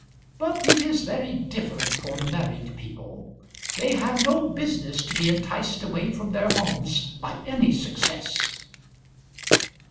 But it is very different for married people. They have no business to be enticed away from their homes by any success."